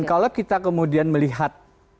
kalau kita kemudian melihat